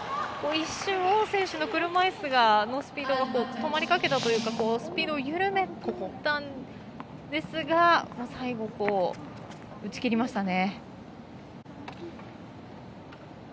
一瞬、王選手の車いすが止まりかけたというかスピードを緩めたんですが最後、打ち切りましたね。